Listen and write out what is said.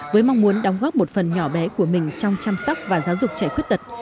với mong muốn đóng góp một phần nhỏ bé của mình trong chăm sóc và giáo dục trẻ khuyết tật